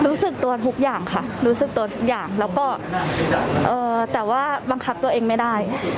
รู้สึกตัวทุกอย่างค่ะรู้สึกตัวทุกอย่างแล้วก็แต่ว่าบังคับตัวเองไม่ได้